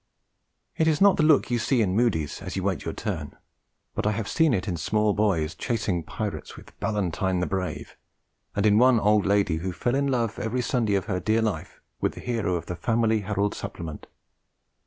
It is not the look you see in Mudie's as you wait your turn; but I have seen it in small boys chasing pirates with 'Ballantyne the Brave,' and in one old lady who fell in love every Sunday of her dear life with the hero of The Family Herald Supplement.